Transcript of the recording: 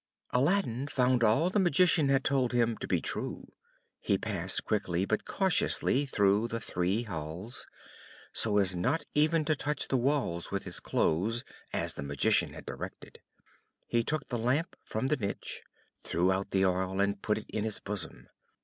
Aladdin found all the Magician had told him to be true; he passed quickly but cautiously through the three halls, so as not even to touch the walls with his clothes, as the Magician had directed. He took the Lamp from the niche, threw out the oil, and put it in his bosom.